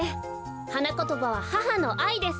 はなことばは「母のあい」です。